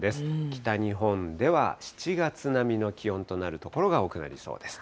北日本では７月並みの気温となる所が多くなりそうです。